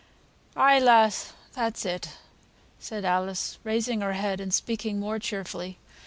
"Ay, lass, that's it," said Alice, raising her head and speaking more cheerfully.